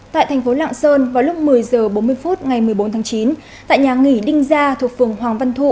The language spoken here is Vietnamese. tại thành phố lạng sơn vào lúc một mươi h bốn mươi phút ngày một mươi bốn tháng chín tại nhà nghỉ đinh gia thuộc phường hoàng văn thụ